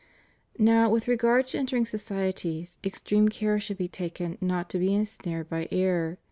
Now, with regard to entering societies, extreme care should be taken not to be ensnared by error.